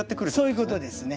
そういうことですね。